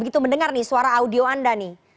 gitu mendengar nih suara audio anda nih